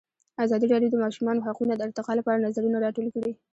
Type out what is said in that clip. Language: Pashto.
ازادي راډیو د د ماشومانو حقونه د ارتقا لپاره نظرونه راټول کړي.